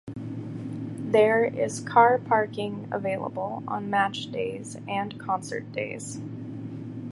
There is car parking available on match days and concert days.